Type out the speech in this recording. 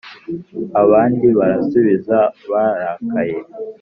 abandi barasubiza barakaye.